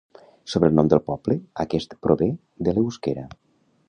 Sobre el nom del poble, aquest prové de l'euskera.